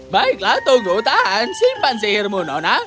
baiklah togo tahan simpan sihirmu nona